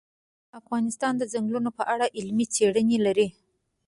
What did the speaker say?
افغانستان د ځنګلونه په اړه علمي څېړنې لري.